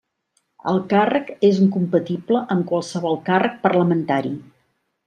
El càrrec és incompatible amb qualsevol càrrec parlamentari.